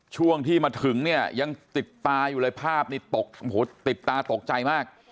ช่วงที่มาถึงเนี่ยยังติดตาอยู่เลยภาพนี้ตกติดตาตกใจมาก